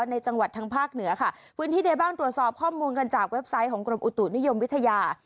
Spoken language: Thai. ในจังหวัดทางภาคเหนือค่ะพื้นที่ใดบ้างตรวจสอบข้อมูลกันจากเว็บไซต์ของกรมอุตุนิยมวิทยา